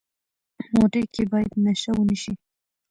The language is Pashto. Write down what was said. موټر کې باید نشه ونه شي.